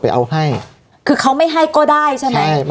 เอาให้คือเขาไม่ให้ก็ได้ใช่ไหม